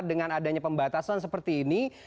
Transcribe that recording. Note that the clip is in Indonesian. dengan adanya pembatasan seperti ini